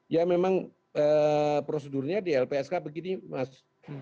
ya memang prosedurnya di lpsk begini mas